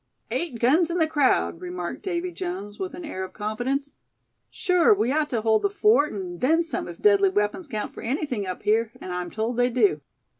"Eight guns in the crowd!" remarked Davy Jones with an air of confidence. "Sure we ought to hold the fort, and then some, if deadly weapons count for anything up here, and I'm told they do.